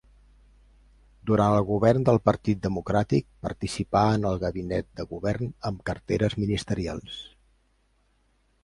Durant el govern del Partit Democràtic participà en el gabinet de govern amb carteres ministerials.